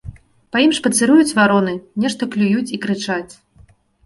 Па ім спацыруюць вароны, нешта клююць і крычаць.